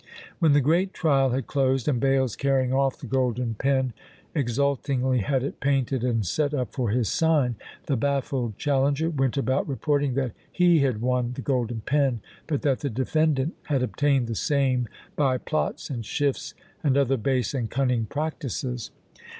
When the great trial had closed, and Bales, carrying off the golden pen, exultingly had it painted and set up for his sign, the baffled challenger went about reporting that he had won the golden pen, but that the defendant had obtained the same by "plots and shifts, and other base and cunning practices."